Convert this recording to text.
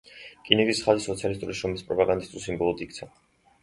რკინიგზის ხაზი სოციალისტური შრომის პროპაგანდისტულ სიმბოლოდ იქცა.